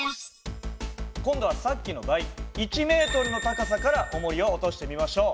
今度はさっきの倍１ｍの高さからおもりを落としてみましょう。